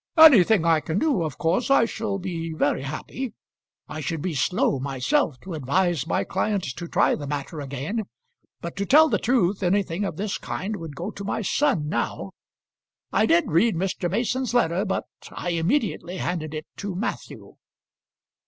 "Anything I can do, of course I shall be very happy. I should be slow, myself, to advise my client to try the matter again, but to tell the truth anything of this kind would go to my son now. I did read Mr. Mason's letter, but I immediately handed it to Matthew."